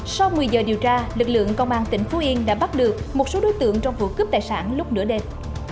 sau một mươi giờ điều tra lực lượng công an tỉnh phú yên đã bắt được một số đối tượng trong vụ cướp tài sản lúc nửa đêm